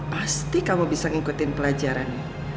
pasti kamu bisa ngikutin pelajarannya